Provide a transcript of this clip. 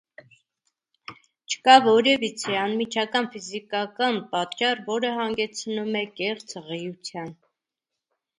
Չկա որևիցե անմիջական ֆիզիկական պատճառ, որը հանգեցնում է կեղծ հղիության։